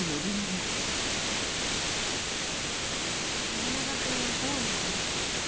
信長君はどう思われます？